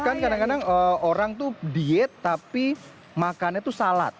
kan kadang kadang orang tuh diet tapi makannya tuh salad